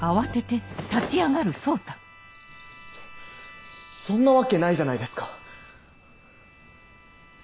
そそんなわけないじゃないですか！